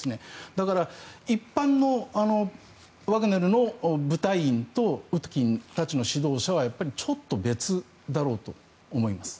だから一般のワグネルの部隊員とウトキンたちの指導者はちょっと別だろうと思います。